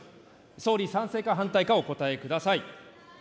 総理、賛成か反対かをお答えください。